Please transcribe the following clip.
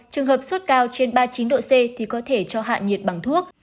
trường hợp sốt cao trên ba mươi chín độ c thì có thể cho hạ nhiệt bằng thuốc